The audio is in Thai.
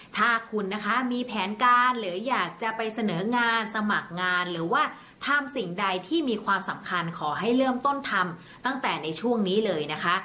ถ้าคุณนะคะมีแผนการหรืออยากจะไปเสนองานสมัครงานหรือว่าทำสิ่งใดที่มีความสำคัญขอให้เริ่มต้นทำตั้งแต่ในช่วงนี้เลยนะคะ